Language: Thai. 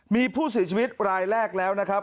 มีผู้เสียชีวิตรายแรกแล้วนะครับ